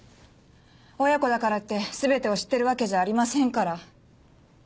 親子だからって全てを知ってるわけじゃありませんから。